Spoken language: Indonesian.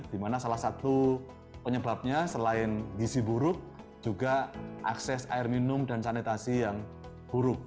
dimana salah satu penyebabnya selain gisi buruk juga akses air minum dan sanitasi yang buruk gitu ya